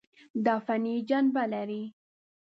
دا فني جنبه لري.